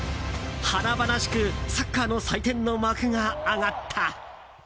華々しくサッカーの祭典の幕が上がった。